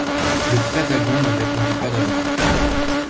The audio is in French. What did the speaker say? Le Patagon ne répondit pas davantage.